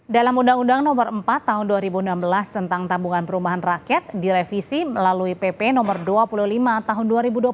dalam undang undang nomor empat tahun dua ribu enam belas tentang tabungan perumahan rakyat direvisi melalui pp nomor dua puluh lima tahun dua ribu dua puluh